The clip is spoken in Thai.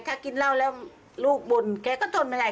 ถ้ากินเหล้าแล้วลูกบ่นแกก็ทนไม่ได้